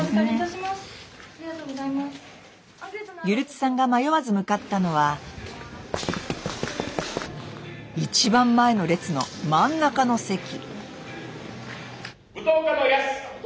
ゆるつさんが迷わず向かったのは一番前の列の真ん中の席。